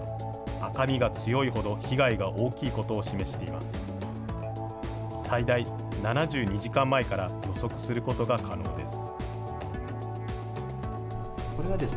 赤みが強いほど被害が大きいことを示しています。